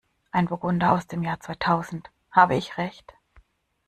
Ein Burgunder aus dem Jahr zweitausend, habe ich recht?